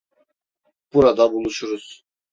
Burada buluşuruz.